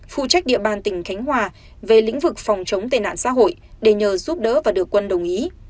phụ trách địa bàn tỉnh khánh hòa về lĩnh vực phòng chống tệ nạn xã hội để nhờ giúp đỡ và được quân đồng ý